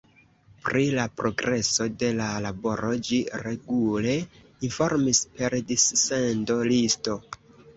Pri la progreso de la laboro ĝi regule informis per dissendo-listo.